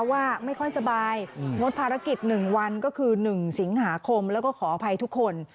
ว่าไม่ค่อยสบายงดภารกิจ๑วันก็คือ๑สิงหาคมแล้วก็ขออภัยทุกคน